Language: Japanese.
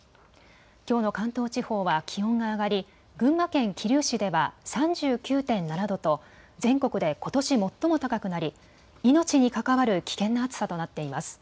きょうの関東地方は気温が上がり群馬県桐生市では３９．７度と全国でことし最も高くなり命に関わる危険な暑さとなっています。